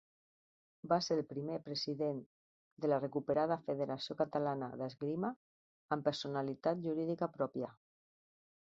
Va ser el primer president de la recuperada Federació Catalana d’Esgrima amb personalitat jurídica pròpia.